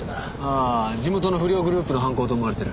ああ地元の不良グループの犯行と思われてる。